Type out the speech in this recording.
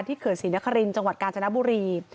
ที่เข่าศรีนครินตร์จังหวัดกาญจนบุรี